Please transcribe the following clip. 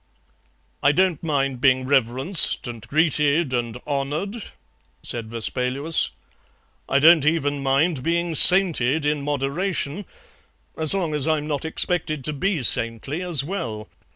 "'I don't mind being reverenced and greeted and honoured,' said Vespaluus; 'I don't even mind being sainted in moderation, as long as I'm not expected to be saintly as well.